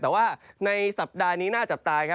แต่ว่าในสัปดาห์นี้น่าจับตาครับ